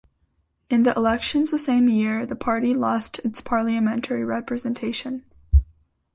In the elections the same year, the party lost its parliamentary representation.